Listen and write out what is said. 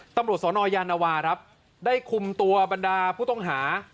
ตำรวจสนยานวาครับได้คุมตัวบรรดาผู้ต้องหา